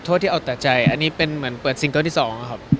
ที่เอาแต่ใจอันนี้เป็นเหมือนเปิดซิงเกิลที่๒ครับ